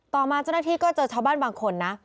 ต่อมาเจ้าหน้าที่ก็เจอชาวบ้านบางคนนะ